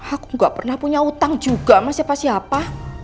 aku gak pernah punya utang juga sama siapa siapa